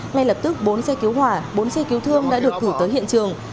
ngay lập tức bốn xe cứu hỏa bốn xe cứu thương đã được thử tới hiện trường